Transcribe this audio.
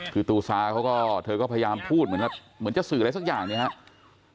คือตูซาเขาก็เธอก็พยายามพูดเหมือนจะสื่ออะไรสักอย่างเนี่ยครับ